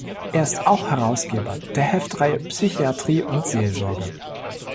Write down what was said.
Er ist auch Herausgeber der Heftreihe „Psychiatrie und Seelsorge“.